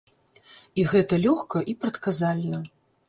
І гэта лёгка і прадказальна.